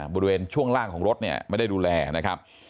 บริเวณช่วงล่างของรถเนี่ยไม่ได้ดูแลนะครับ